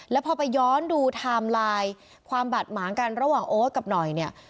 แล้วพอไปย้อนดูไทม์ไลน์ความบาดหมางกันระหว่างโอ๊ตกับหน่อยเนี่ย